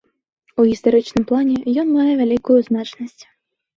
У гістарычным плане ён мае вялікую значнасць.